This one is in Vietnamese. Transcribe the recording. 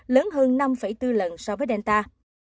lớn hơn năm bốn lần so với delta